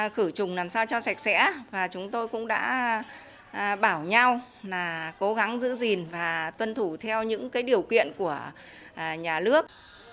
khử trùng làm sao cho sạch sẽ và chúng tôi cũng đã bảo nhau là cố gắng giữ gìn và tuân thủ theo những điều kiện của nhà nước